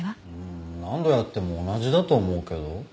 何度やっても同じだと思うけど。